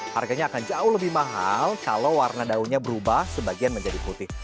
harganya akan jauh lebih mahal kalau warna daunnya berubah sebagian menjadi putih